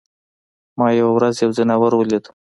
ما یوه ورځ یو ځناور ولید.